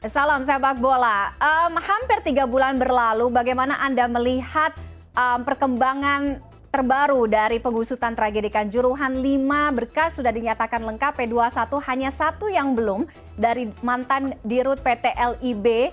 salam sepak bola hampir tiga bulan berlalu bagaimana anda melihat perkembangan terbaru dari pengusutan tragedikan juruhan lima berkas sudah dinyatakan lengkap p dua puluh satu hanya satu yang belum dari mantan dirut pt lib